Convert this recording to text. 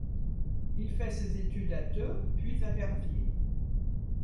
Il fait ses études à Theux, puis à Verviers.